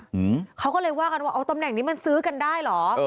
อืมเขาก็เลยว่ากันว่าเอาตำแหน่งนี้มันซื้อกันได้เหรอ